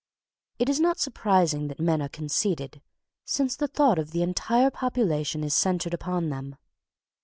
It is not surprising that men are conceited, since the thought of the entire population is centred upon them.